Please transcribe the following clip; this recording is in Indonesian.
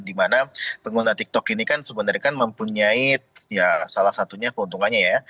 di mana pengguna tiktok ini kan sebenarnya kan mempunyai ya salah satunya keuntungannya ya